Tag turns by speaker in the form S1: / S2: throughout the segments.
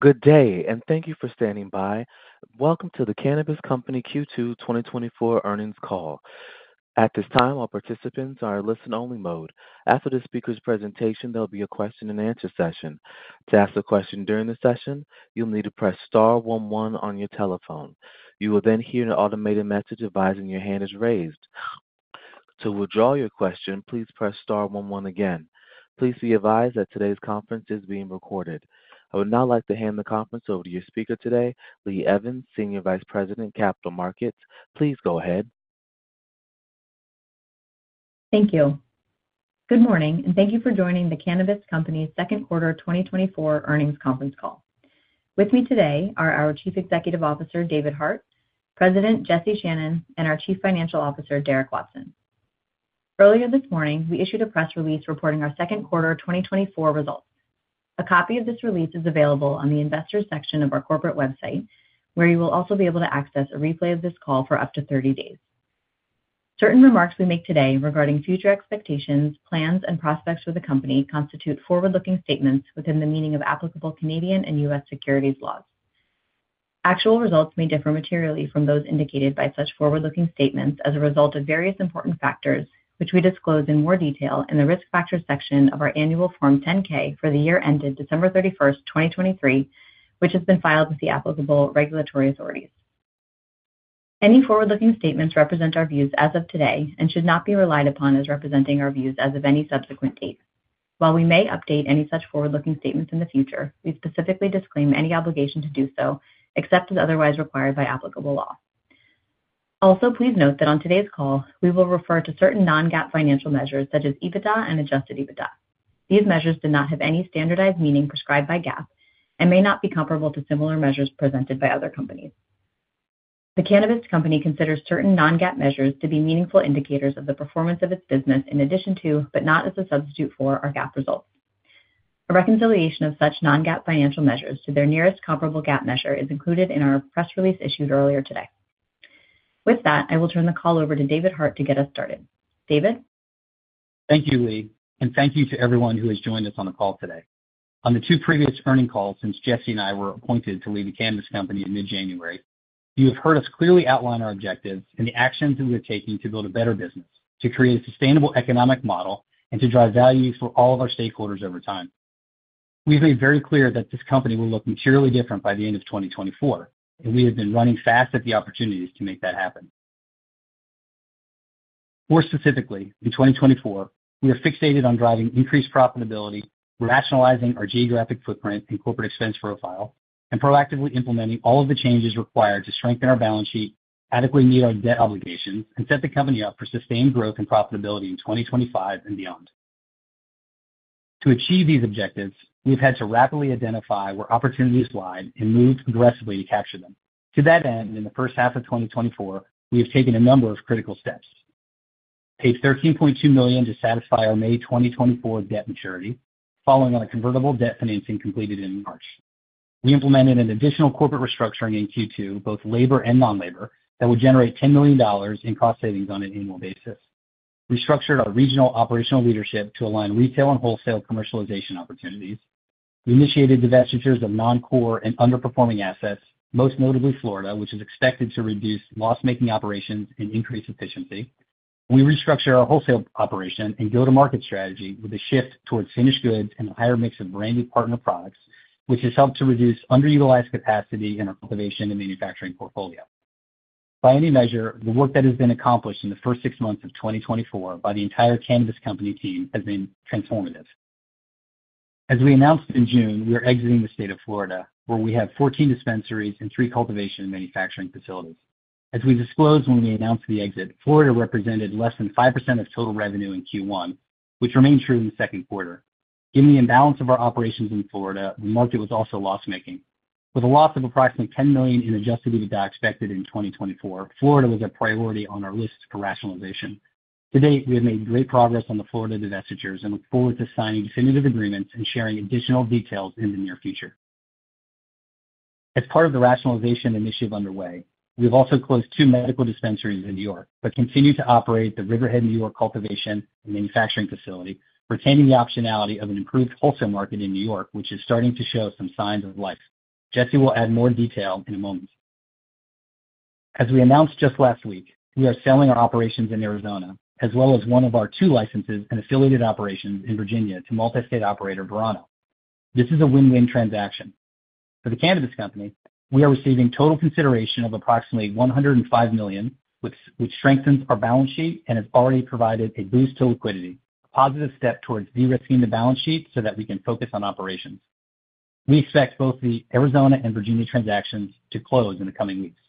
S1: Good day, and thank you for standing by. Welcome to The Cannabist Company Q2 2024 Earnings Call. At this time, all participants are in listen-only mode. After the speaker's presentation, there'll be a question-and-answer session. To ask a question during the session, you'll need to press star one, one on your telephone. You will then hear an automated message advising your hand is raised. To withdraw your question, please press star one, one again. Please be advised that today's conference is being recorded. I would now like to hand the conference over to your speaker today, Lee Evans, Senior Vice President, Capital Markets. Please go ahead.
S2: Thank you. Good morning, and thank you for joining The Cannabist Company's second quarter 2024 earnings conference call. With me today are our Chief Executive Officer, David Hart, President Jesse Channon, and our Chief Financial Officer, Derek Watson. Earlier this morning, we issued a press release reporting our second quarter 2024 results. A copy of this release is available on the Investors section of our corporate website, where you will also be able to access a replay of this call for up to 30 days. Certain remarks we make today regarding future expectations, plans, and prospects for the company constitute forward-looking statements within the meaning of applicable Canadian and U.S. securities laws. Actual results may differ materially from those indicated by such forward-looking statements as a result of various important factors, which we disclose in more detail in the Risk Factors section of our annual Form 10-K for the year ended December 31, 2023, which has been filed with the applicable regulatory authorities. Any forward-looking statements represent our views as of today and should not be relied upon as representing our views as of any subsequent date. While we may update any such forward-looking statements in the future, we specifically disclaim any obligation to do so, except as otherwise required by applicable law. Also, please note that on today's call, we will refer to certain non-GAAP financial measures such as EBITDA and adjusted EBITDA. These measures do not have any standardized meaning prescribed by GAAP and may not be comparable to similar measures presented by other companies. The Cannabist Company considers certain non-GAAP measures to be meaningful indicators of the performance of its business in addition to, but not as a substitute for, our GAAP results. A reconciliation of such non-GAAP financial measures to their nearest comparable GAAP measure is included in our press release issued earlier today. With that, I will turn the call over to David Hart to get us started. David?
S3: Thank you, Lee, and thank you to everyone who has joined us on the call today. On the two previous earnings calls since Jesse and I were appointed to lead The Cannabist Company in mid-January, you have heard us clearly outline our objectives and the actions that we're taking to build a better business, to create a sustainable economic model, and to drive value for all of our stakeholders over time. We've made very clear that this company will look materially different by the end of 2024, and we have been running fast at the opportunities to make that happen. More specifically, in 2024, we are fixated on driving increased profitability, rationalizing our geographic footprint and corporate expense profile, and proactively implementing all of the changes required to strengthen our balance sheet, adequately meet our debt obligations, and set the company up for sustained growth and profitability in 2025 and beyond. To achieve these objectives, we've had to rapidly identify where opportunities lie and move aggressively to capture them. To that end, in the first half of 2024, we have taken a number of critical steps. Paid $13.2 million to satisfy our May 2024 debt maturity, following on a convertible debt financing completed in March. We implemented an additional corporate restructuring in Q2, both labor and non-labor, that will generate $10 million in cost savings on an annual basis. We structured our regional operational leadership to align retail and wholesale commercialization opportunities. We initiated divestitures of non-core and underperforming assets, most notably Florida, which is expected to reduce loss-making operations and increase efficiency. We restructure our wholesale operation and go-to-market strategy with a shift towards finished goods and a higher mix of branded partner products, which has helped to reduce underutilized capacity in our cultivation and manufacturing portfolio. By any measure, the work that has been accomplished in the first six months of 2024 by the entire The Cannabist Company team has been transformative. As we announced in June, we are exiting the state of Florida, where we have 14 dispensaries and three cultivation and manufacturing facilities. As we disclosed when we announced the exit, Florida represented less than 5% of total revenue in Q1, which remained true in the second quarter. Given the imbalance of our operations in Florida, the market was also loss-making. With a loss of approximately $10 million in adjusted EBITDA expected in 2024, Florida was a priority on our list for rationalization. To date, we have made great progress on the Florida divestitures and look forward to signing definitive agreements and sharing additional details in the near future. As part of the rationalization initiative underway, we've also closed two medical dispensaries in New York, but continue to operate the Riverhead, New York, cultivation and manufacturing facility, retaining the optionality of an improved wholesale market in New York, which is starting to show some signs of life. Jesse will add more detail in a moment. As we announced just last week, we are selling our operations in Arizona, as well as one of our two licenses and affiliated operations in Virginia to multi-state operator Verano. This is a win-win transaction. For The Cannabist Company, we are receiving total consideration of approximately $105 million, which strengthens our balance sheet and has already provided a boost to liquidity, a positive step towards de-risking the balance sheet so that we can focus on operations. We expect both the Arizona and Virginia transactions to close in the coming weeks.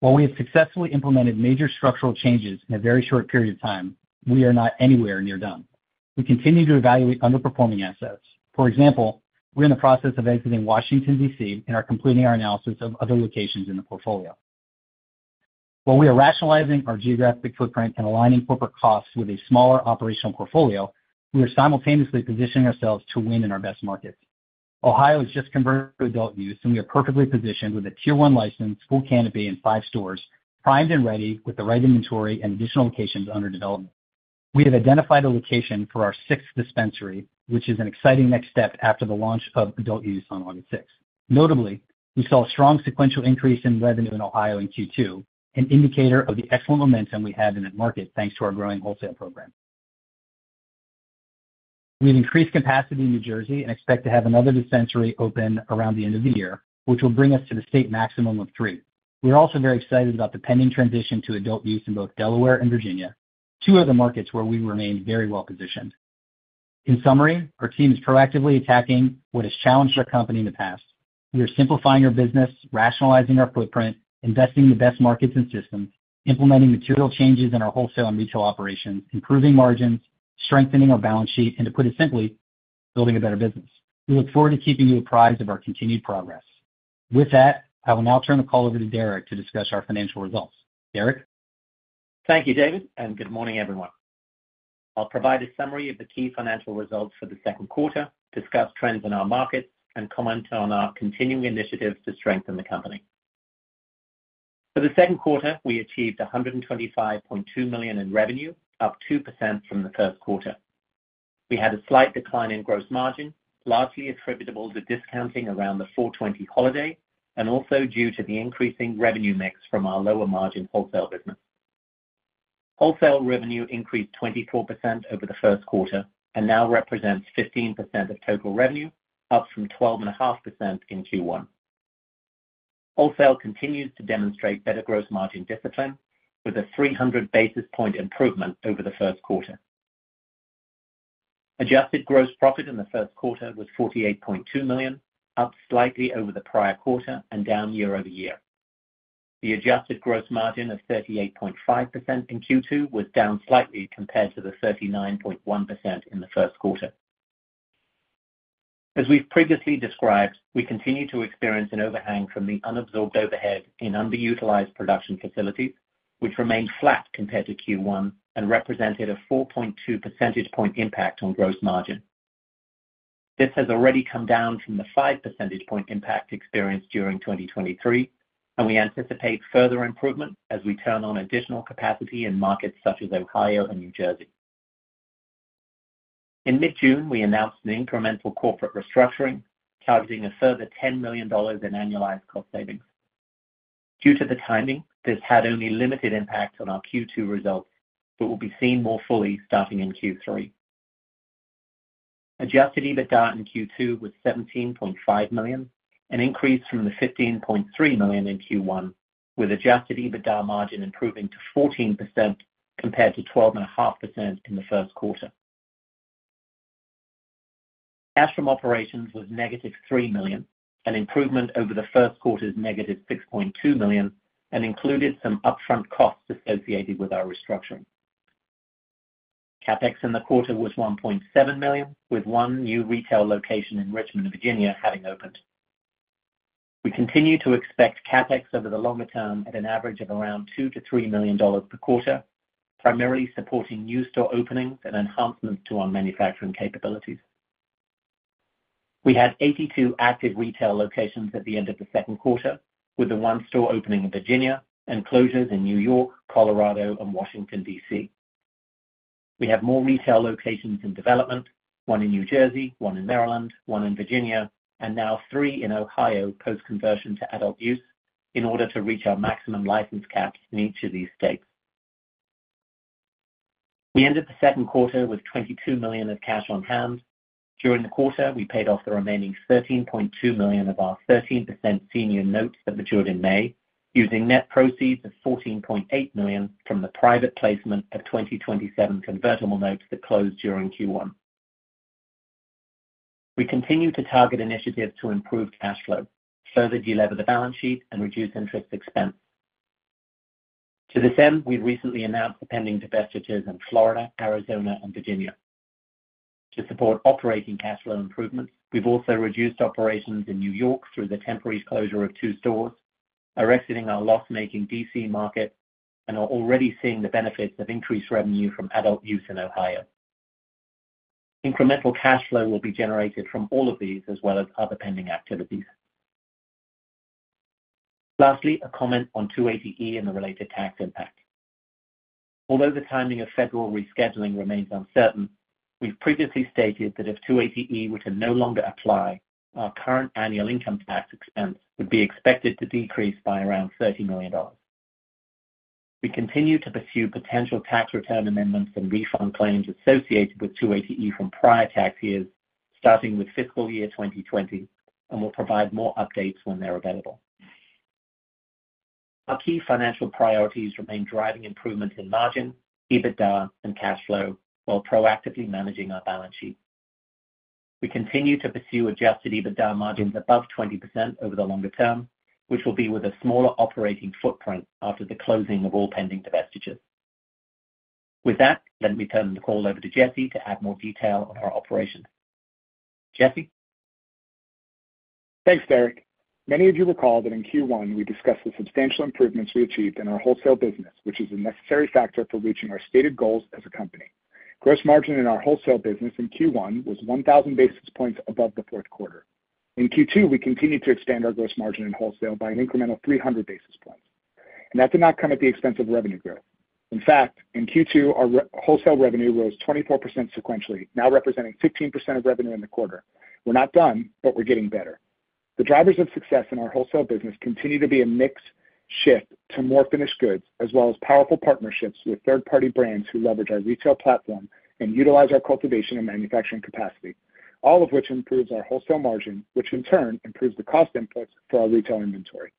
S3: While we have successfully implemented major structural changes in a very short period of time, we are not anywhere near done. We continue to evaluate underperforming assets. For example, we're in the process of exiting Washington, D.C., and are completing our analysis of other locations in the portfolio. While we are rationalizing our geographic footprint and aligning corporate costs with a smaller operational portfolio, we are simultaneously positioning ourselves to win in our best markets. Ohio has just converted to adult use, and we are perfectly positioned with a Tier One license, full canopy, and five stores, primed and ready with the right inventory and additional locations under development. We have identified a location for our sixth dispensary, which is an exciting next step after the launch of adult use on August 6th. Notably, we saw a strong sequential increase in revenue in Ohio in Q2, an indicator of the excellent momentum we have in that market, thanks to our growing wholesale program. We have increased capacity in New Jersey and expect to have another dispensary open around the end of the year, which will bring us to the state maximum of three. We're also very excited about the pending transition to adult use in both Delaware and Virginia, two other markets where we remain very well positioned. In summary, our team is proactively attacking what has challenged our company in the past. We are simplifying our business, rationalizing our footprint, investing in the best markets and systems, implementing material changes in our wholesale and retail operations, improving margins, strengthening our balance sheet, and to put it simply, building a better business. We look forward to keeping you apprised of our continued progress. With that, I will now turn the call over to Derek to discuss our financial results. Derek?
S4: Thank you, David, and good morning, everyone. I'll provide a summary of the key financial results for the second quarter, discuss trends in our markets, and comment on our continuing initiatives to strengthen the company. For the second quarter, we achieved $125.2 million in revenue, up 2% from the first quarter. We had a slight decline in gross margin, largely attributable to discounting around the 4/20 holiday, and also due to the increasing revenue mix from our lower margin wholesale business. Wholesale revenue increased 24% over the first quarter and now represents 15% of total revenue, up from 12.5% in Q1. Wholesale continues to demonstrate better gross margin discipline, with a 300 basis point improvement over the first quarter. Adjusted gross profit in the first quarter was $48.2 million, up slightly over the prior quarter and down year-over-year. The adjusted gross margin of 38.5% in Q2 was down slightly compared to the 39.1% in the first quarter. As we've previously described, we continue to experience an overhang from the unabsorbed overhead in underutilized production facilities, which remained flat compared to Q1 and represented a 4.2 percentage point impact on gross margin. This has already come down from the 5 percentage point impact experienced during 2023, and we anticipate further improvement as we turn on additional capacity in markets such as Ohio and New Jersey. In mid-June, we announced an incremental corporate restructuring, targeting a further $10 million in annualized cost savings. Due to the timing, this had only limited impact on our Q2 results, but will be seen more fully starting in Q3. Adjusted EBITDA in Q2 was $17.5 million, an increase from the $15.3 million in Q1, with adjusted EBITDA margin improving to 14% compared to 12.5% in the first quarter. Cash from operations was -$3 million, an improvement over the first quarter's -$6.2 million, and included some upfront costs associated with our restructuring. CapEx in the quarter was $1.7 million, with one new retail location in Richmond, Virginia, having opened. We continue to expect CapEx over the longer term at an average of around $2 million-$3 million per quarter, primarily supporting new store openings and enhancements to our manufacturing capabilities. We had 82 active retail locations at the end of the second quarter, with the 1 store opening in Virginia and closures in New York, Colorado and Washington, DC. We have more retail locations in development, one in New Jersey, one in Maryland, one in Virginia, and now three in Ohio, post-conversion to adult use, in order to reach our maximum license cap in each of these states. We ended the second quarter with $22 million of cash on hand. During the quarter, we paid off the remaining $13.2 million of our 13% senior notes that matured in May, using net proceeds of $14.8 million from the private placement of 2027 convertible notes that closed during Q1. We continue to target initiatives to improve cash flow, further delever the balance sheet, and reduce interest expense. To this end, we've recently announced the pending divestitures in Florida, Arizona, and Virginia. To support operating cash flow improvements, we've also reduced operations in New York through the temporary closure of two stores, arresting our loss-making DC market, and are already seeing the benefits of increased revenue from adult use in Ohio. Incremental cash flow will be generated from all of these, as well as other pending activities. Lastly, a comment on 280E and the related tax impact. Although the timing of federal rescheduling remains uncertain, we've previously stated that if 280E were to no longer apply, our current annual income tax expense would be expected to decrease by around $30 million. We continue to pursue potential tax return amendments and refund claims associated with 280E from prior tax years, starting with fiscal year 2020, and will provide more updates when they're available. Our key financial priorities remain driving improvement in margin, EBITDA, and cash flow while proactively managing our balance sheet. We continue to pursue adjusted EBITDA margins above 20% over the longer term, which will be with a smaller operating footprint after the closing of all pending divestitures. With that, let me turn the call over to Jesse to add more detail on our operations. Jesse?
S5: Thanks, Derek. Many of you recall that in Q1, we discussed the substantial improvements we achieved in our wholesale business, which is a necessary factor for reaching our stated goals as a company. Gross margin in our wholesale business in Q1 was 1,000 basis points above the fourth quarter. In Q2, we continued to extend our gross margin in wholesale by an incremental 300 basis points. ...And that did not come at the expense of revenue growth. In fact, in Q2, our wholesale revenue rose 24% sequentially, now representing 16% of revenue in the quarter. We're not done, but we're getting better. The drivers of success in our wholesale business continue to be a mix shift to more finished goods, as well as powerful partnerships with third-party brands who leverage our retail platform and utilize our cultivation and manufacturing capacity, all of which improves our wholesale margin, which in turn improves the cost inputs for our retail inventory.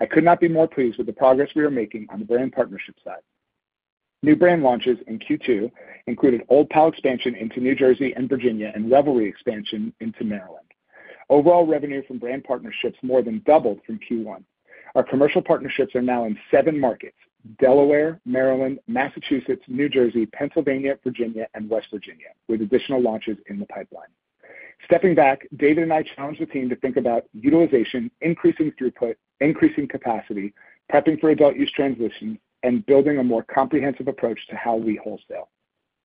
S5: I could not be more pleased with the progress we are making on the brand partnership side. New brand launches in Q2 included Old Pal expansion into New Jersey and Virginia, and Revelry expansion into Maryland. Overall revenue from brand partnerships more than doubled from Q1. Our commercial partnerships are now in seven markets: Delaware, Maryland, Massachusetts, New Jersey, Pennsylvania, Virginia, and West Virginia, with additional launches in the pipeline. Stepping back, David and I challenged the team to think about utilization, increasing throughput, increasing capacity, prepping for adult use transition, and building a more comprehensive approach to how we wholesale.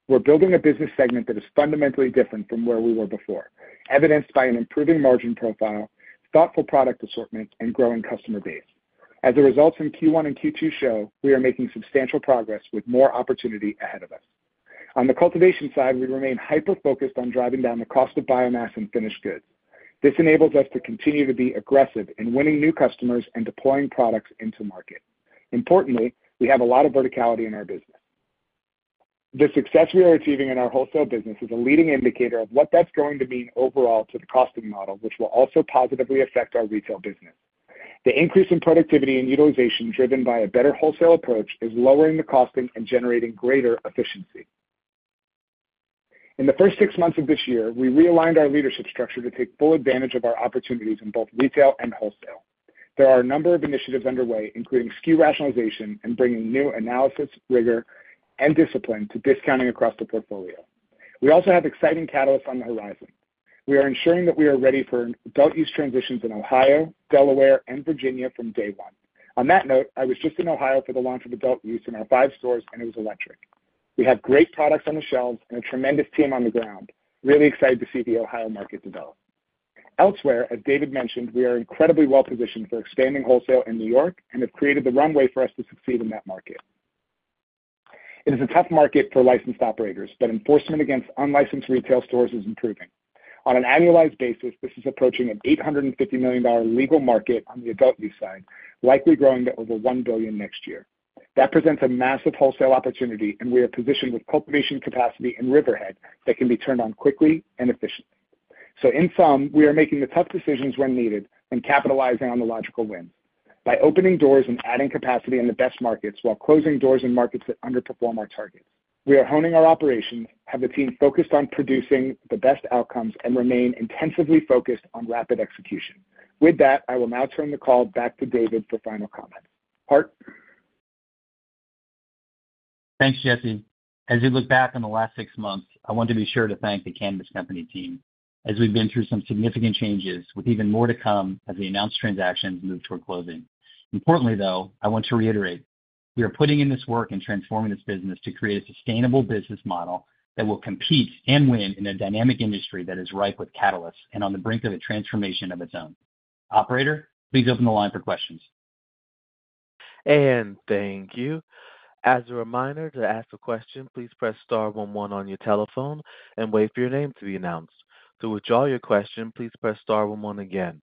S5: We're building a business segment that is fundamentally different from where we were before, evidenced by an improving margin profile, thoughtful product assortment, and growing customer base. As the results in Q1 and Q2 show, we are making substantial progress with more opportunity ahead of us. On the cultivation side, we remain hyper-focused on driving down the cost of biomass and finished goods. This enables us to continue to be aggressive in winning new customers and deploying products into market. Importantly, we have a lot of verticality in our business. The success we are achieving in our wholesale business is a leading indicator of what that's going to mean overall to the costing model, which will also positively affect our retail business. The increase in productivity and utilization, driven by a better wholesale approach, is lowering the costing and generating greater efficiency. In the first six months of this year, we realigned our leadership structure to take full advantage of our opportunities in both retail and wholesale. There are a number of initiatives underway, including SKU rationalization and bringing new analysis, rigor, and discipline to discounting across the portfolio. We also have exciting catalysts on the horizon. We are ensuring that we are ready for adult use transitions in Ohio, Delaware, and Virginia from day one. On that note, I was just in Ohio for the launch of adult use in our five stores, and it was electric. We have great products on the shelves and a tremendous team on the ground. Really excited to see the Ohio market develop. Elsewhere, as David mentioned, we are incredibly well positioned for expanding wholesale in New York and have created the runway for us to succeed in that market. It is a tough market for licensed operators, but enforcement against unlicensed retail stores is improving. On an annualized basis, this is approaching an $850 million legal market on the adult use side, likely growing to over $1 billion next year. That presents a massive wholesale opportunity, and we are positioned with cultivation capacity in Riverhead that can be turned on quickly and efficiently. So in sum, we are making the tough decisions when needed and capitalizing on the logical wins. By opening doors and adding capacity in the best markets, while closing doors in markets that underperform our targets, we are honing our operations, have the team focused on producing the best outcomes, and remain intensively focused on rapid execution. With that, I will now turn the call back to David for final comments. Hart?
S3: Thanks, Jesse. As we look back on the last six months, I want to be sure to thank The Cannabist Company team, as we've been through some significant changes, with even more to come as the announced transactions move toward closing. Importantly, though, I want to reiterate, we are putting in this work and transforming this business to create a sustainable business model that will compete and win in a dynamic industry that is ripe with catalysts and on the brink of a transformation of its own. Operator, please open the line for questions.
S1: Thank you. As a reminder, to ask a question, please press star one, one on your telephone and wait for your name to be announced. To withdraw your question, please press star one, one again.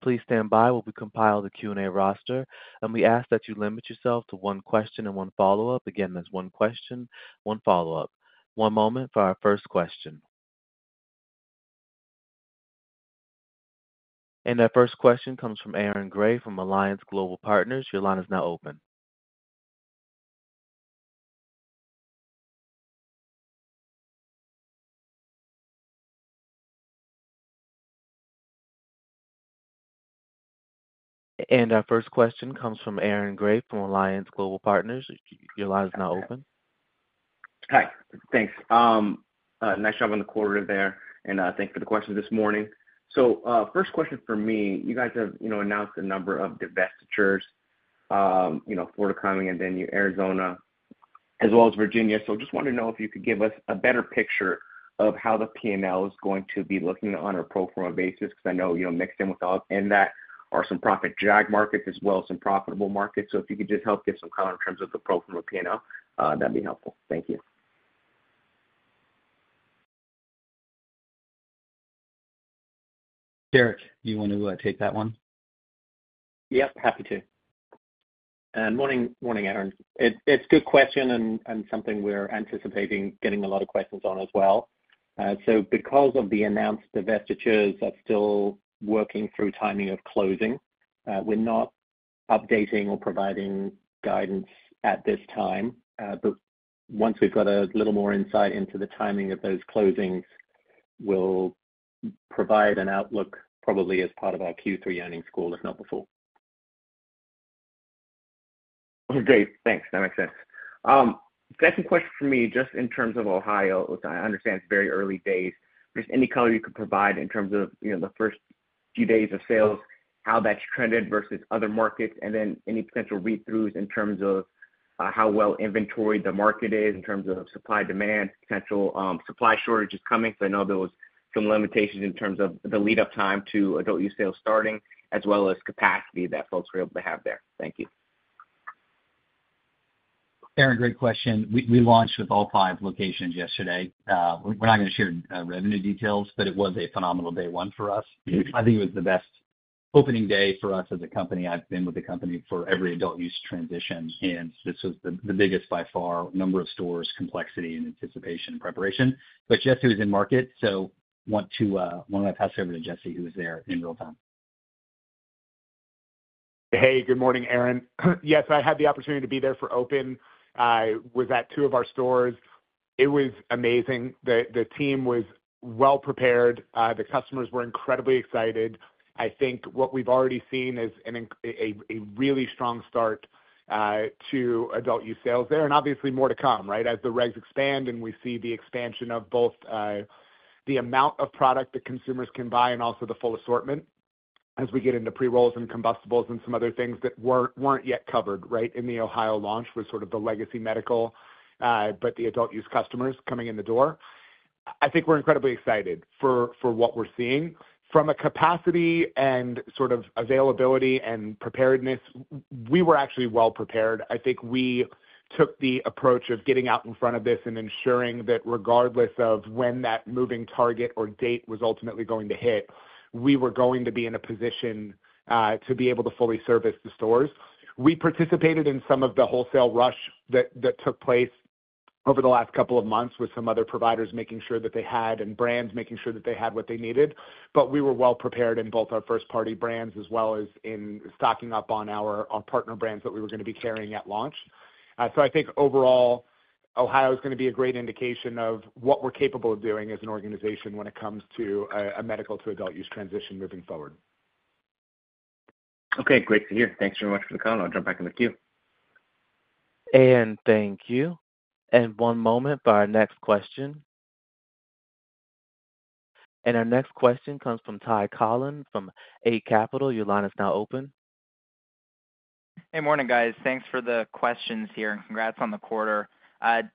S1: Please stand by while we compile the Q&A roster, and we ask that you limit yourself to one question and one follow-up. Again, that's one question, one follow-up. One moment for our first question. And that first question comes from Aaron Grey from Alliance Global Partners. Your line is now open. And our first question comes from Aaron Grey from Alliance Global Partners. Your line is now open.
S6: Hi, thanks. Nice job on the quarter there, and thanks for the question this morning. So, first question for me, you guys have, you know, announced a number of divestitures, you know, Florida, Wyoming, and then Arizona, as well as Virginia. So just wanted to know if you could give us a better picture of how the P&L is going to be looking on a pro forma basis, because I know, you know, mixed in with all in that are some profit drag markets as well as some profitable markets. So if you could just help give some color in terms of the pro forma P&L, that'd be helpful. Thank you.
S3: Derek, do you want to take that one?
S4: Yep, happy to. Morning, morning, Aaron. It's a good question and something we're anticipating getting a lot of questions on as well. So because of the announced divestitures that's still working through timing of closing, we're not updating or providing guidance at this time. But once we've got a little more insight into the timing of those closings, we'll provide an outlook, probably as part of our Q3 earnings call, if not before.
S6: Okay, thanks. That makes sense. Second question for me, just in terms of Ohio, which I understand it's very early days, but just any color you could provide in terms of, you know, the first few days of sales, how that's trended versus other markets, and then any potential read-throughs in terms of how well inventoried the market is in terms of supply, demand, potential supply shortages coming? Because I know there was some limitations in terms of the lead-up time to adult use sales starting, as well as capacity that folks were able to have there. Thank you.
S3: Aaron, great question. We, we launched with all five locations yesterday. We're not going to share revenue details, but it was a phenomenal day one for us. I think it was the best opening day for us as a company. I've been with the company for every adult use transition, and this was the biggest by far, number of stores, complexity, and anticipation and preparation. But Jesse was in market, so want to, why don't I pass it over to Jesse, who was there in real time?
S5: Hey, good morning, Aaron. Yes, I had the opportunity to be there for open. I was at two of our stores. It was amazing. The team was well prepared. The customers were incredibly excited. I think what we've already seen is a really strong start to adult use sales there, and obviously more to come, right? As the regs expand and we see the expansion of both the amount of product that consumers can buy and also the full assortment as we get into pre-rolls and combustibles and some other things that weren't yet covered, right, in the Ohio launch, was sort of the legacy medical, but the adult use customers coming in the door. I think we're incredibly excited for what we're seeing. From a capacity and sort of availability and preparedness, we were actually well prepared. I think we took the approach of getting out in front of this and ensuring that regardless of when that moving target or date was ultimately going to hit, we were going to be in a position to be able to fully service the stores. We participated in some of the wholesale rush that took place over the last couple of months with some other providers, making sure that they had and brands, making sure that they had what they needed. But we were well prepared in both our first-party brands, as well as in stocking up on partner brands that we were going to be carrying at launch. So I think overall, Ohio is going to be a great indication of what we're capable of doing as an organization when it comes to a medical to adult use transition moving forward.
S6: Okay, great to hear. Thanks very much for the call. I'll jump back in the queue.
S1: Thank you. One moment for our next question. Our next question comes from Ty Collin from Eight Capital. Your line is now open.
S7: Hey, morning, guys. Thanks for the questions here, and congrats on the quarter.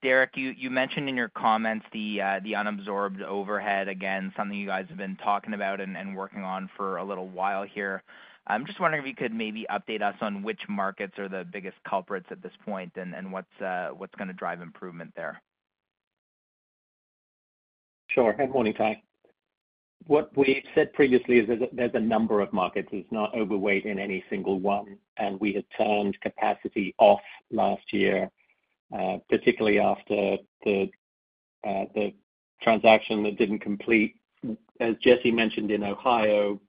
S7: Derek, you mentioned in your comments the unabsorbed overhead, again, something you guys have been talking about and working on for a little while here. I'm just wondering if you could maybe update us on which markets are the biggest culprits at this point, and what's going to drive improvement there?
S4: Sure. Good morning, Ty. What we've said previously is that there's a number of markets. It's not overweight in any single one, and we had turned capacity off last year, particularly after the transaction that didn't complete. As Jesse mentioned, in Ohio,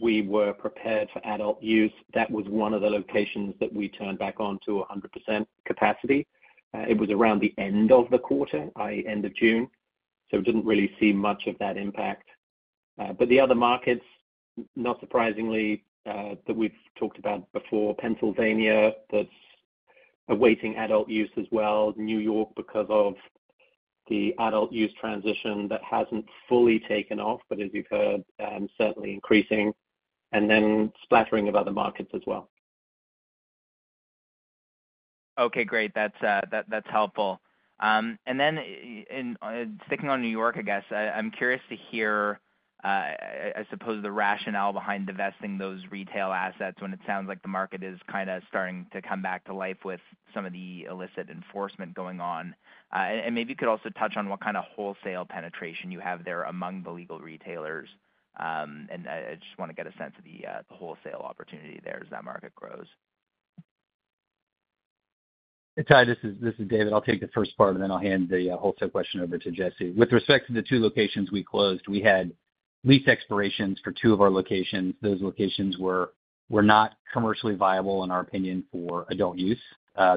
S4: we were prepared for adult use. That was one of the locations that we turned back on to 100% capacity. It was around the end of the quarter, i.e., end of June, so we didn't really see much of that impact. But the other markets, not surprisingly, that we've talked about before, Pennsylvania, that's awaiting adult use as well. New York, because of the adult use transition that hasn't fully taken off, but as you've heard, certainly increasing, and then splattering of other markets as well.
S7: Okay, great. That's helpful. And then, in sticking on New York, I guess, I'm curious to hear, I suppose, the rationale behind divesting those retail assets when it sounds like the market is kind of starting to come back to life with some of the illicit enforcement going on. And maybe you could also touch on what kind of wholesale penetration you have there among the legal retailers. And I just want to get a sense of the wholesale opportunity there as that market grows.
S3: Hey, Ty, this is David. I'll take the first part, and then I'll hand the wholesale question over to Jesse. With respect to the two locations we closed, we had lease expirations for two of our locations. Those locations were not commercially viable, in our opinion, for adult use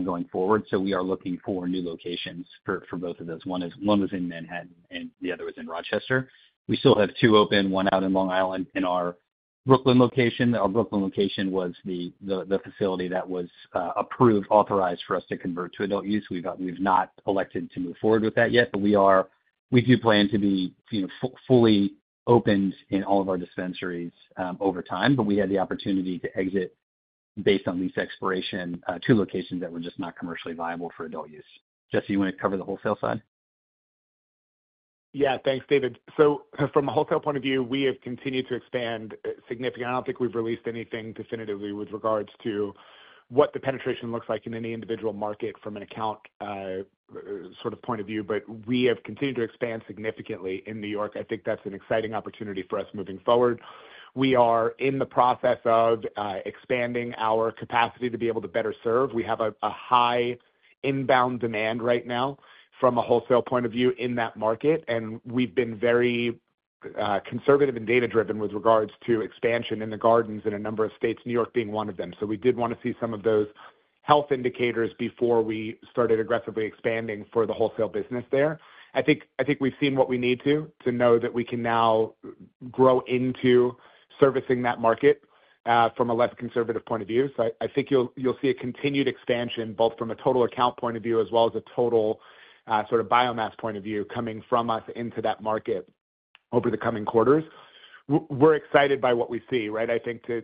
S3: going forward, so we are looking for new locations for both of those. One was in Manhattan and the other was in Rochester. We still have two open, one out in Long Island and our Brooklyn location. Our Brooklyn location was the facility that was approved, authorized for us to convert to adult use. We've not, we've not elected to move forward with that yet, but we are—we do plan to be, you know, fully opened in all of our dispensaries, over time, but we had the opportunity to exit, based on lease expiration, two locations that were just not commercially viable for adult use. Jesse, you want to cover the wholesale side?
S5: Yeah. Thanks, David. So from a wholesale point of view, we have continued to expand significantly. I don't think we've released anything definitively with regards to what the penetration looks like in any individual market from an account sort of point of view, but we have continued to expand significantly in New York. I think that's an exciting opportunity for us moving forward. We are in the process of expanding our capacity to be able to better serve. We have a high inbound demand right now from a wholesale point of view in that market, and we've been very conservative and data-driven with regards to expansion in the gardens in a number of states, New York being one of them. So we did want to see some of those health indicators before we started aggressively expanding for the wholesale business there. I think, I think we've seen what we need to, to know that we can now grow into servicing that market from a less conservative point of view. So I, I think you'll, you'll see a continued expansion, both from a total account point of view as well as a total sort of biomass point of view coming from us into that market over the coming quarters. We're excited by what we see, right? I think to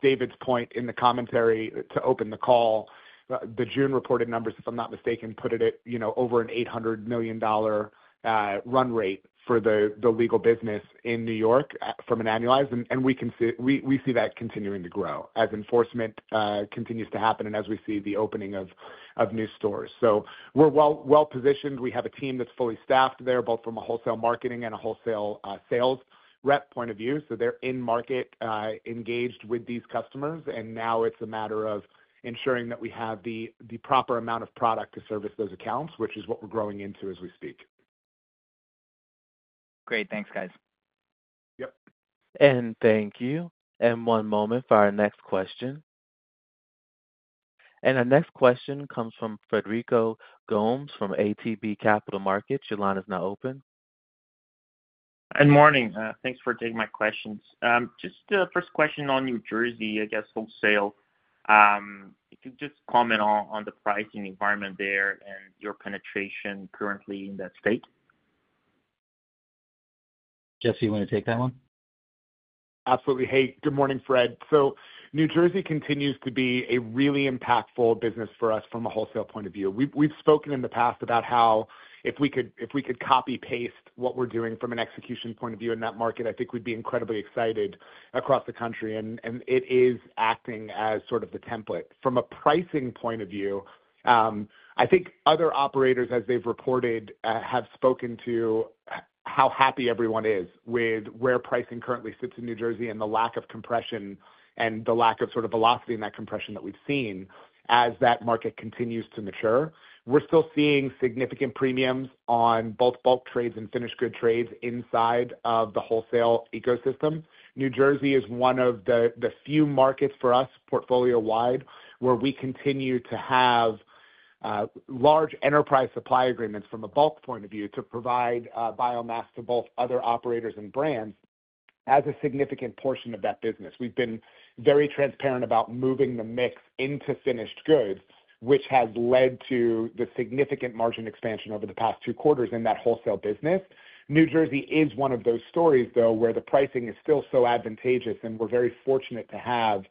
S5: David's point in the commentary to open the call, the June reported numbers, if I'm not mistaken, put it at, you know, over an $800 million run rate for the legal business in New York from an annualized, and we can see that continuing to grow as enforcement continues to happen and as we see the opening of new stores. So we're well positioned. We have a team that's fully staffed there, both from a wholesale marketing and a wholesale sales rep point of view. So they're in market engaged with these customers, and now it's a matter of ensuring that we have the proper amount of product to service those accounts, which is what we're growing into as we speak.
S7: Great. Thanks, guys.
S5: Yep.
S1: Thank you. One moment for our next question. Our next question comes from Frederico Gomes from ATB Capital Markets. Your line is now open.
S8: Good morning, thanks for taking my questions. Just first question on New Jersey, I guess, wholesale. If you could just comment on the pricing environment there and your penetration currently in that state.
S3: Jesse, you want to take that one?
S5: Absolutely. Hey, good morning, Fred. So New Jersey continues to be a really impactful business for us from a wholesale point of view. We've spoken in the past about how, if we could copy-paste what we're doing from an execution point of view in that market, I think we'd be incredibly excited across the country, and it is acting as sort of the template. From a pricing point of view, I think other operators, as they've reported, have spoken to how happy everyone is with where pricing currently sits in New Jersey and the lack of compression and the lack of sort of velocity in that compression that we've seen as that market continues to mature. We're still seeing significant premiums on both bulk trades and finished good trades inside of the wholesale ecosystem. New Jersey is one of the few markets for us, portfolio-wide, where we continue to have large enterprise supply agreements from a bulk point of view to provide biomass to both other operators and brands as a significant portion of that business. We've been very transparent about moving the mix into finished goods, which has led to the significant margin expansion over the past two quarters in that wholesale business. New Jersey is one of those stories, though, where the pricing is still so advantageous, and we're very fortunate to have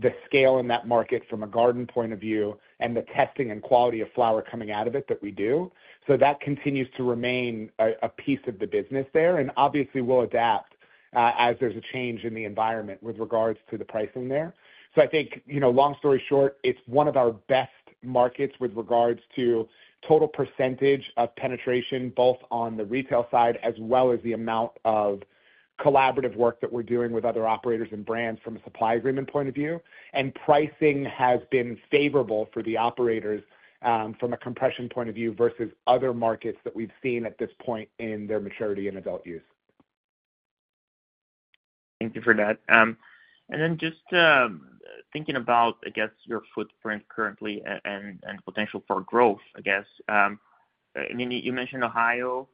S5: the scale in that market from a garden point of view and the testing and quality of flower coming out of it that we do. So that continues to remain a piece of the business there, and obviously, we'll adapt as there's a change in the environment with regards to the pricing there. I think, you know, long story short, it's one of our best markets with regards to total percentage of penetration, both on the retail side as well as the amount of collaborative work that we're doing with other operators and brands from a supply agreement point of view. Pricing has been favorable for the operators, from a compression point of view, versus other markets that we've seen at this point in their maturity in adult use.
S8: Thank you for that. And then just thinking about, I guess, your footprint currently and potential for growth, I guess. I mean, you mentioned Ohio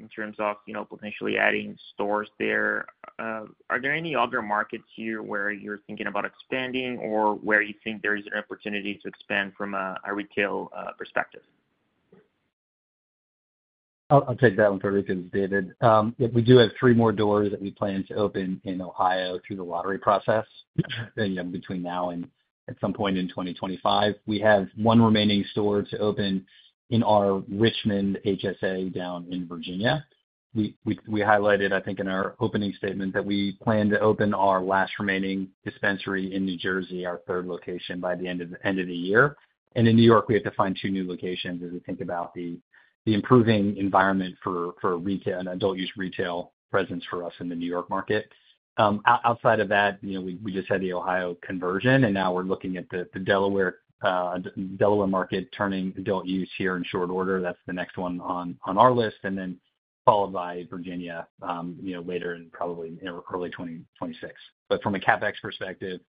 S8: in terms of, you know, potentially adding stores there. Are there any other markets here where you're thinking about expanding or where you think there is an opportunity to expand from a retail perspective?
S3: I'll take that one, Frederico. It's David. Yeah, we do have three more doors that we plan to open in Ohio through the lottery process, you know, between now and at some point in 2025. We have one remaining store to open in our Richmond HSA down in Virginia. We highlighted, I think, in our opening statement, that we plan to open our last remaining dispensary in New Jersey, our third location, by the end of the year. And in New York, we have to find two new locations as we think about the improving environment for retail, adult use retail presence for us in the New York market. Outside of that, you know, we just had the Ohio conversion, and now we're looking at the Delaware market turning adult use here in short order. That's the next one on our list, and then followed by Virginia, you know, later in probably, you know, early 2026. But from a CapEx perspective,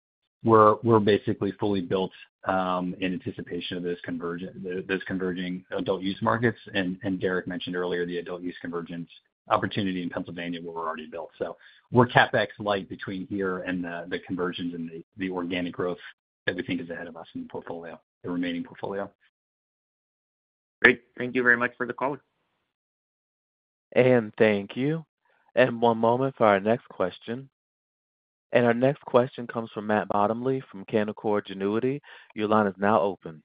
S3: we're basically fully built in anticipation of this conversion, those converging adult use markets. And Derek mentioned earlier the adult use convergence opportunity in Pennsylvania, where we're already built. So we're CapEx light between here and the conversions and the organic growth that we think is ahead of us in the portfolio, the remaining portfolio.
S8: Great. Thank you very much for the color.
S1: Thank you. One moment for our next question. Our next question comes from Matt Bottomley from Canaccord Genuity. Your line is now open.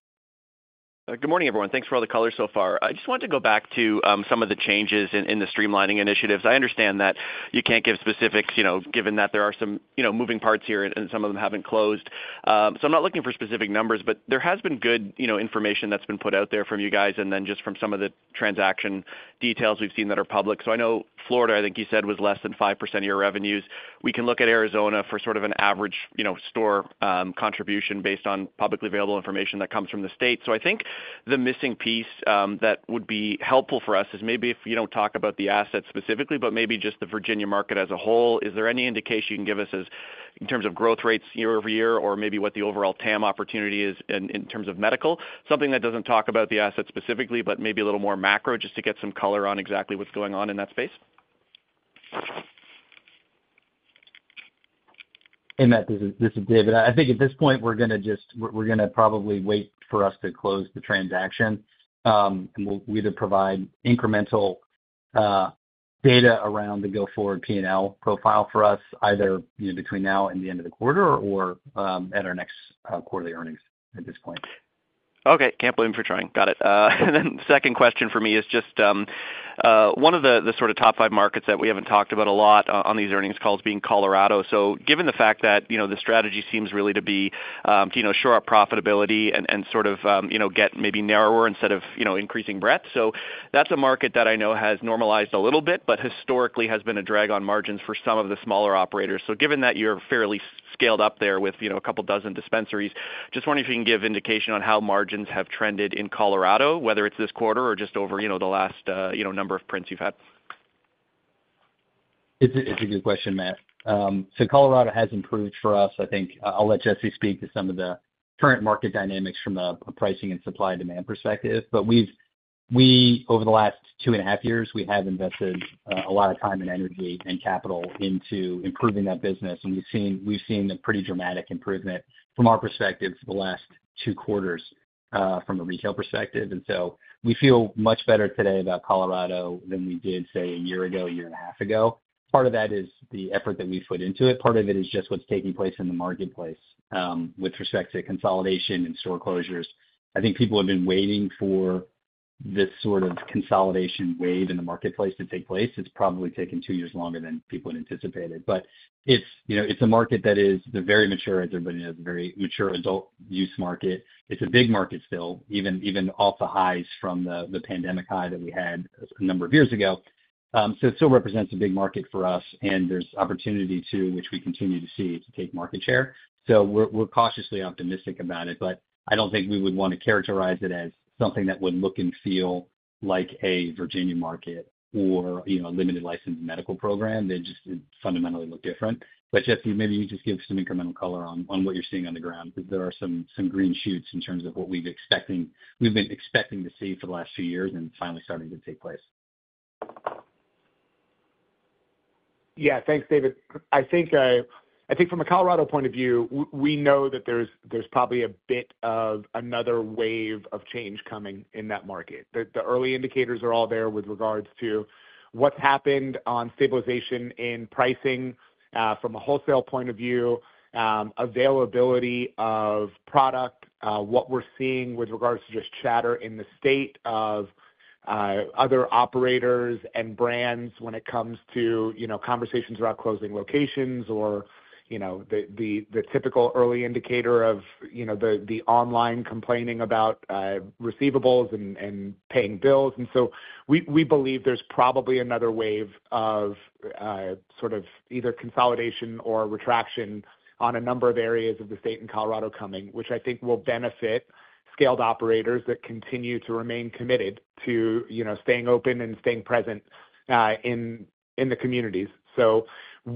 S9: Good morning, everyone. Thanks for all the color so far. I just wanted to go back to some of the changes in the streamlining initiatives. I understand that you can't give specifics, you know, given that there are some, you know, moving parts here, and some of them haven't closed. So I'm not looking for specific numbers, but there has been good, you know, information that's been put out there from you guys, and then just from some of the transaction details we've seen that are public. So I know Florida, I think you said, was less than 5% of your revenues. We can look at Arizona for sort of an average, you know, store contribution based on publicly available information that comes from the state. So I think the missing piece that would be helpful for us is maybe if you don't talk about the assets specifically, but maybe just the Virginia market as a whole. Is there any indication you can give us as in terms of growth rates year-over-year, or maybe what the overall TAM opportunity is in terms of medical? Something that doesn't talk about the assets specifically, but maybe a little more macro, just to get some color on exactly what's going on in that space.
S3: Hey, Matt, this is David. I think at this point, we're gonna probably wait for us to close the transaction, and we'll either provide incremental data around the go-forward P&L profile for us, either, you know, between now and the end of the quarter or, at our next quarterly earnings at this point.
S9: Okay, can't blame you for trying. Got it. And then second question for me is just one of the sort of top five markets that we haven't talked about a lot on these earnings calls being Colorado. So given the fact that, you know, the strategy seems really to be to, you know, shore up profitability and and sort of you know get maybe narrower instead of, you know, increasing breadth. So that's a market that I know has normalized a little bit, but historically has been a drag on margins for some of the smaller operators. So given that you're fairly scaled up there with, you know, a couple dozen dispensaries, just wondering if you can give indication on how margins have trended in Colorado, whether it's this quarter or just over, you know, the last, number of prints you've had.
S3: It's a good question, Matt. So Colorado has improved for us. I think, I'll let Jesse speak to some of the current market dynamics from the pricing and supply-demand perspective. But we've, we, over the last 2 1/2 years, we have invested a lot of time and energy and capital into improving that business, and we've seen, we've seen a pretty dramatic improvement from our perspective the last two quarters, from a retail perspective. And so we feel much better today about Colorado than we did, say, a year ago, a year and half ago. Part of that is the effort that we've put into it, part of it is just what's taking place in the marketplace, with respect to consolidation and store closures. I think people have been waiting for this sort of consolidation wave in the marketplace to take place. It's probably taken two years longer than people had anticipated, but it's, you know, it's a market that is, they're very mature, as everybody knows, a very mature adult use market. It's a big market still, even off the highs from the pandemic high that we had a number of years ago. So it still represents a big market for us, and there's opportunity, too, which we continue to see, to take market share. So we're cautiously optimistic about it, but I don't think we would want to characterize it as something that would look and feel like a Virginia market or, you know, a limited licensed medical program. They just, it fundamentally look different. But Jesse, maybe you just give some incremental color on what you're seeing on the ground, because there are some green shoots in terms of what we've been expecting to see for the last few years and finally starting to take place.
S5: Yeah. Thanks, David. I think, I think from a Colorado point of view, we know that there's probably a bit of another wave of change coming in that market. The early indicators are all there with regards to what's happened on stabilization in pricing, from a wholesale point of view, availability of product, what we're seeing with regards to just chatter in the state of other operators and brands when it comes to, you know, conversations around closing locations or, you know, the typical early indicator of, you know, the online complaining about, receivables and paying bills. And so we believe there's probably another wave of sort of either consolidation or retraction on a number of areas of the state in Colorado coming, which I think will benefit scaled operators that continue to remain committed to, you know, staying open and staying present in the communities. So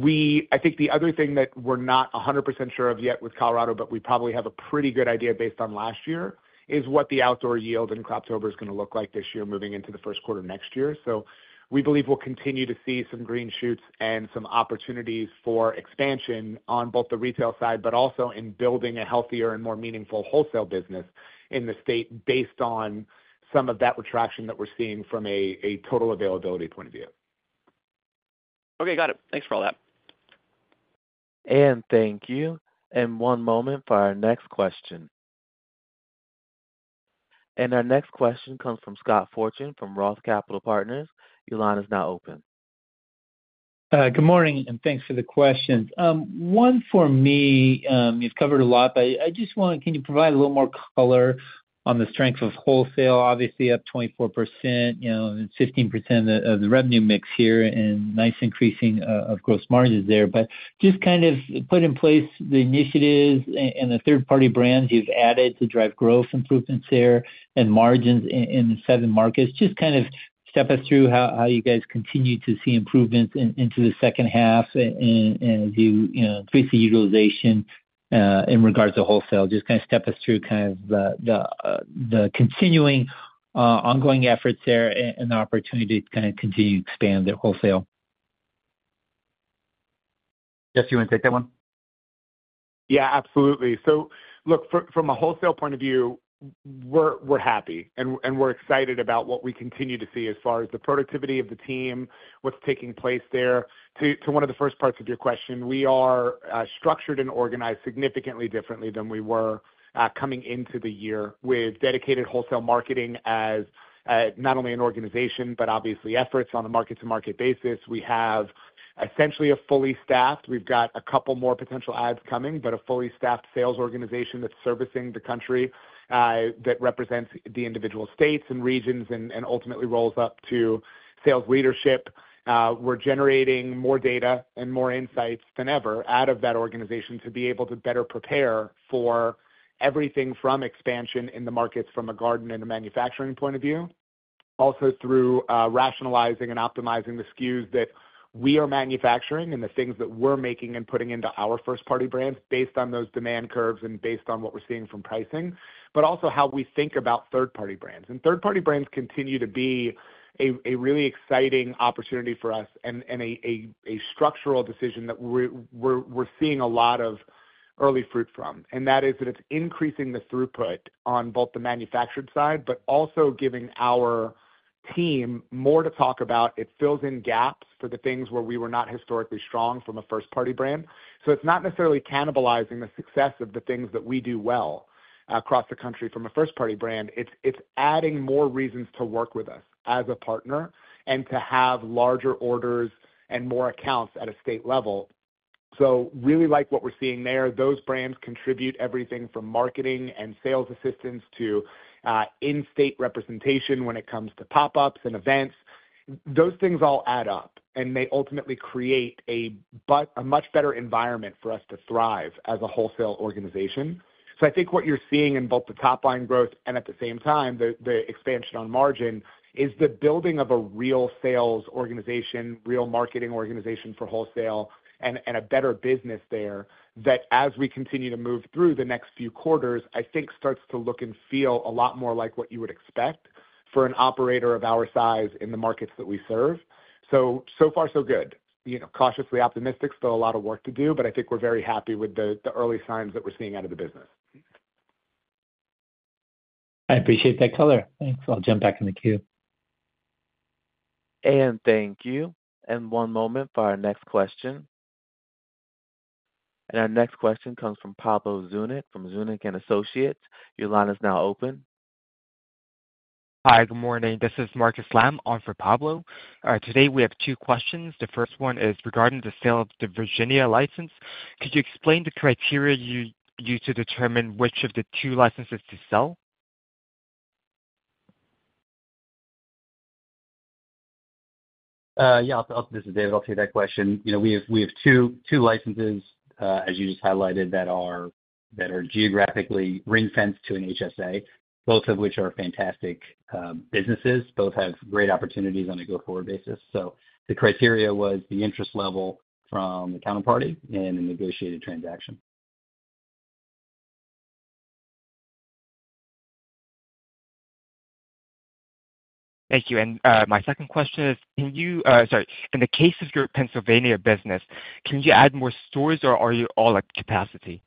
S5: I think the other thing that we're not 100% sure of yet with Colorado, but we probably have a pretty good idea based on last year, is what the outdoor yield and Croptober is gonna look like this year, moving into the first quarter next year. So we believe we'll continue to see some green shoots and some opportunities for expansion on both the retail side, but also in building a healthier and more meaningful wholesale business in the state, based on some of that retraction that we're seeing from a total availability point of view. Okay, got it. Thanks for all that.
S1: Thank you. One moment for our next question. Our next question comes from Scott Fortune from ROTH Capital Partners. Your line is now open.
S10: Good morning, and thanks for the questions. One for me, you've covered a lot, but I just want—can you provide a little more color on the strength of wholesale, obviously up 24%, you know, and 15% of the revenue mix here, and nice increasing of gross margins there. But just kind of put in place the initiatives and the third-party brands you've added to drive growth improvements there and margins in seven markets. Just kind of step us through how you guys continue to see improvements into the second half and do, you know, increase the utilization in regards to wholesale. Just kind of step us through kind of the continuing ongoing efforts there and the opportunity to kind of continue to expand the wholesale.
S3: Jesse, you wanna take that one?
S5: Yeah, absolutely. So look, from a wholesale point of view, we're happy and we're excited about what we continue to see as far as the productivity of the team, what's taking place there. To one of the first parts of your question, we are structured and organized significantly differently than we were coming into the year, with dedicated wholesale marketing as not only an organization, but obviously efforts on a market-to-market basis. We have essentially a fully staffed. We've got a couple more potential adds coming, but a fully staffed sales organization that's servicing the country, that represents the individual states and regions and ultimately rolls up to sales leadership. We're generating more data and more insights than ever out of that organization to be able to better prepare for everything from expansion in the markets, from a garden and a manufacturing point of view. Also, through rationalizing and optimizing the SKUs that we are manufacturing and the things that we're making and putting into our first-party brands, based on those demand curves and based on what we're seeing from pricing, but also how we think about third-party brands. And third-party brands continue to be a really exciting opportunity for us and a structural decision that we're seeing a lot of early fruit from, and that is that it's increasing the throughput on both the manufactured side, but also giving our team more to talk about. It fills in gaps for the things where we were not historically strong from a first-party brand. So it's not necessarily cannibalizing the success of the things that we do well across the country from a first-party brand. It's adding more reasons to work with us as a partner and to have larger orders and more accounts at a state level. So really like what we're seeing there. Those brands contribute everything from marketing and sales assistance to in-state representation when it comes to pop-ups and events. Those things all add up, and they ultimately create a much better environment for us to thrive as a wholesale organization. So I think what you're seeing in both the top line growth and at the same time, the expansion on margin, is the building of a real sales organization, real marketing organization for wholesale, and a better business there, that as we continue to move through the next few quarters, I think starts to look and feel a lot more like what you would expect for an operator of our size in the markets that we serve. So, so far, so good. You know, cautiously optimistic. Still a lot of work to do, but I think we're very happy with the early signs that we're seeing out of the business.
S10: I appreciate that color. Thanks. I'll jump back in the queue.
S1: Thank you. One moment for our next question. Our next question comes from Pablo Zuanic, from Zuanic & Associates. Your line is now open. Hi, good morning. This is Marcus Lam on for Pablo. Today, we have two questions. The first one is regarding the sale of the Virginia license. Could you explain the criteria you used to determine which of the two licenses to sell?
S3: Yeah, this is David. I'll take that question. You know, we have two licenses, as you just highlighted, that are geographically ring-fenced to an HSA, both of which are fantastic businesses. Both have great opportunities on a go-forward basis. So the criteria was the interest level from the counterparty and a negotiated transaction.
S11: Thank you. And my second question is, in the case of your Pennsylvania business, can you add more stores, or are you all at capacity?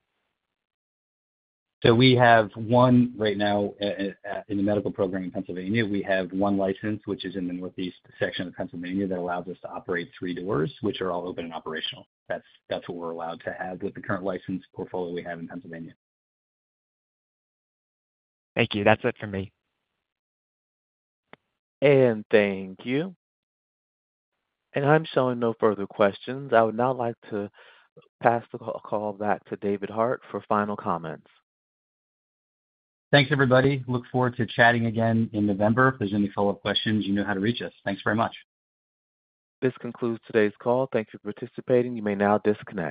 S3: We have one right now in the medical program in Pennsylvania. We have one license, which is in the northeast section of Pennsylvania, that allows us to operate three doors, which are all open and operational. That's what we're allowed to have with the current license portfolio we have in Pennsylvania.
S11: Thank you. That's it for me.
S1: Thank you. I'm showing no further questions. I would now like to pass the call back to David Hart for final comments.
S3: Thanks, everybody. Look forward to chatting again in November. If there's any follow-up questions, you know how to reach us. Thanks very much.
S1: This concludes today's call. Thank you for participating. You may now disconnect.